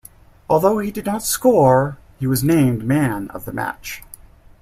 Although he did not score, he was named man of the match.